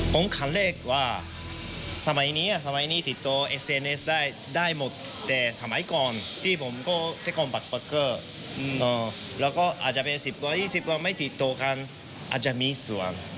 ถ้าไม่ติดต่อกันอาจจะมีส่วน